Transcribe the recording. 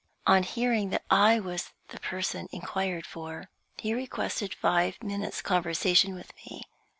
On hearing that I was the person inquired for, he requested five minutes' conversation with me.